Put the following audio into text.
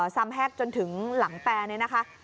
ซ้ำแฮกจนถึงหลังแปรเนี่ยนะคะ